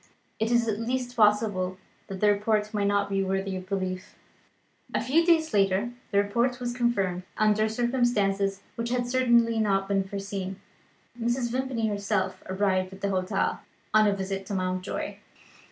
It is at least possible that the report may not be worthy of belief." A few days later the report was confirmed, under circumstances which had certainly not been foreseen. Mr. Vimpany himself arrived at the hotel, on a visit to Mountjoy.